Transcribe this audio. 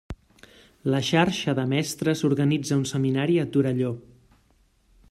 La xarxa de mestres organitza un seminari a Torelló.